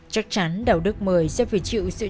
chắc chắn đạo đức mới sẽ phải chịu sự trừng phạt